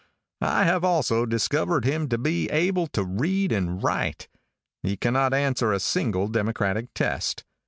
I have also discovered him to be able to read and write. He cannot answer a single democratic test.